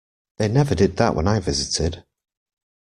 They never did that when I visited.